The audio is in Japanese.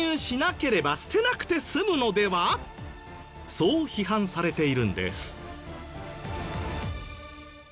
そう批判されているんです。